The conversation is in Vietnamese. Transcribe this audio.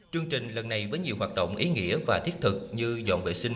chương trình lần này với nhiều hoạt động ý nghĩa và thiết thực như dọn vệ sinh